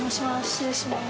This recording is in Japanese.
失礼します。